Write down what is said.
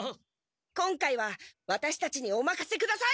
今回はワタシたちにおまかせください！